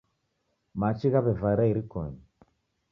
Machi ghaw'evara irikonyi.